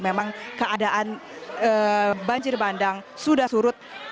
memang keadaan banjir bandang sudah surut